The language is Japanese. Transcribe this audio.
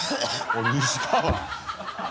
おい西川。